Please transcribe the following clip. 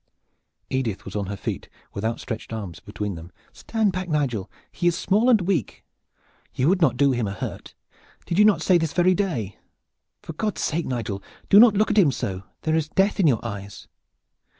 Edith was on her feet with outstretched arms between them. "Stand back, Nigel! He is small and weak. You would not do him a hurt! Did you not say so this very day? For God's sake, Nigel, do not look at him so! There is death in your eyes."